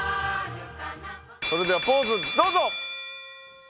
それではポーズどうぞ。